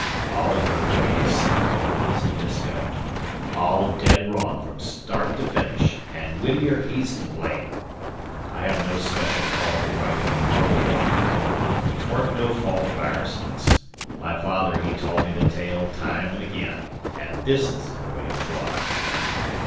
"All you're goin' to say," said Disko. "All dead wrong from start to finish, an' Whittier he's to blame. I have no special call to right any Marblehead man, but 'tweren't no fault o' Ireson's. My father he told me the tale time an' again, an' this is the way 'twuz."